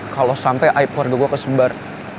kalo sampe aib keluarga gue kesebar